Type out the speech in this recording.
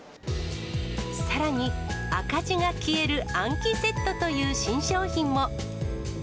さらに、赤字が消える暗記セットという新商品も。